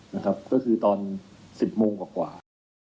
นะครับก็คือตอน๑๐โมงกว่า